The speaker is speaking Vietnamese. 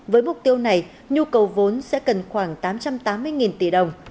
với mục tiêu này nhu cầu vốn sẽ cần khoảng tám trăm tám mươi tỷ đồng